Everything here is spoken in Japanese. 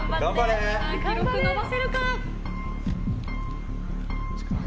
記録伸ばせるか。